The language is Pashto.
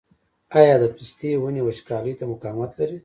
آیا د پستې ونې وچکالۍ ته مقاومت لري؟